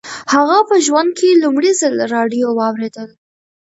هغه په ژوند کې لومړي ځل راډيو واورېده.